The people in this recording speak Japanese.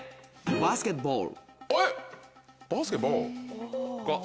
バスケットボール。